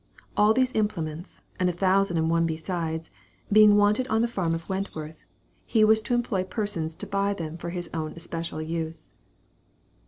All these implements, and a thousand and one besides, being wanted on the farm of Wentworth, he was to employ persons to buy them for his own especial use.